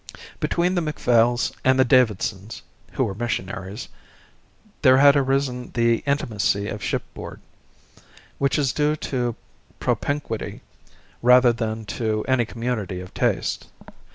Between the Macphails and the Davidsons, who were missionaries, there had arisen the intimacy of shipboard, which is due to propinquity rather than to any community of taste.